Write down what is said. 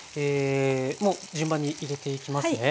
もう順番に入れていきますね。